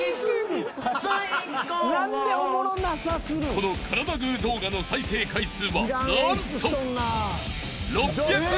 ［このカラダぐぅ動画の再生回数は何と］